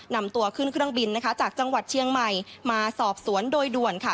นำตัวขึ้นเครื่องบินนะคะจากจังหวัดเชียงใหม่มาสอบสวนโดยด่วนค่ะ